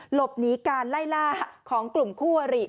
หลบหนีการไล่ล่าของกลุ่มคู่อริ